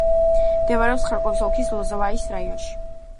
მდებარეობს ხარკოვის ოლქის ლოზოვაიის რაიონში.